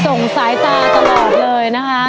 ส่งสายตาตลอดเลยนะคะ